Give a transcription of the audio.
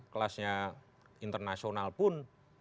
kelasnya internasional pun